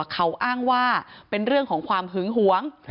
เขาอ้างว่าเป็นเรื่องของความหึงหวง